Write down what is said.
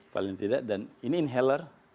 paling tidak dan ini inheler